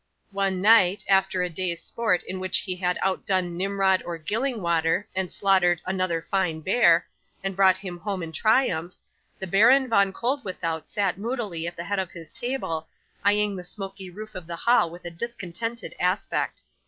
'One night, after a day's sport in which he had outdone Nimrod or Gillingwater, and slaughtered "another fine bear," and brought him home in triumph, the Baron Von Koeldwethout sat moodily at the head of his table, eyeing the smoky roof of the hall with a discontented aspect.